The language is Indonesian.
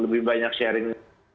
lebih banyak sharing